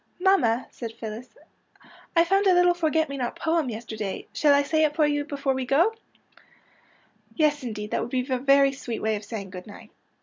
"" Mamma," said Phyllis, '' I found a little forget me not poem yesterday. Shall I say it for you before we go? "Yes, indeed, that would be a very sweet way of saying good night."